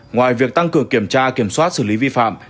ngoài việc tăng cường kiểm tra kiểm soát xử lý vi phạm